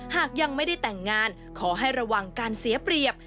หากยังไม่ได้แต่งงานขอให้ระวังการเสียเปรียบ